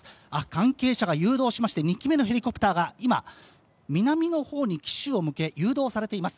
関係者が誘導しまして、２機目のヘリコプターが今、南の方へ機首を向け誘導されています。